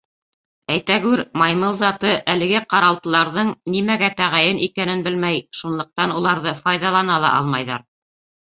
Әйтәгүр, маймыл заты әлеге ҡаралтыларҙың нимәгә тәғәйен икәнен белмәй, шунлыҡтан уларҙы файҙалана ла алмайҙар.